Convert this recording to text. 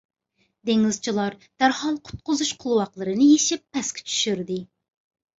دېڭىزچىلار دەرھال قۇتقۇزۇش قولۋاقلىرىنى يېشىپ پەسكە چۈشۈردى،